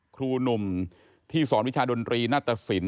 ครูหนุ่มที่สอนวิชาดนตรีนาตสิน